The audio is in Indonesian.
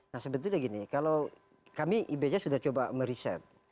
nah sebetulnya gini kalau kami ibj sudah coba meriset